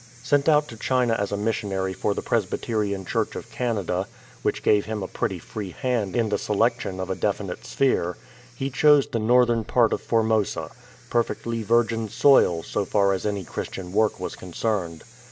Sent out to China as a missionary by the Presbyterian 6i A LAWLESS LAND Church of Canada, which gave him a pretty free hand in the selection of a definite sphere, he chose the northern part of Formosa — perfectly virgin soil so far as any Christian work was concerned.